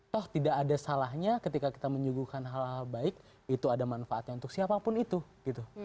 toh tidak ada salahnya ketika kita menyuguhkan hal hal baik itu ada manfaatnya untuk siapapun itu gitu